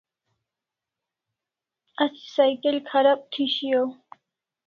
Asi cycle kharab thi shiau